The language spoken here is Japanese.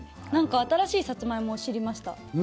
新しいサツマイモを知りました。